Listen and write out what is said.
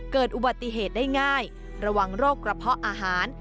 เกิดอุบัติเหตุได้ง่ายระวังโรคกระเพาะอาหาร